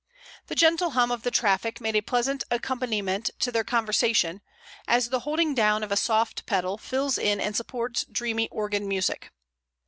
The gentle hum of the traffic made a pleasant accompaniment to their conversation, as the holding down of a soft pedal fills in and supports dreamy organ music.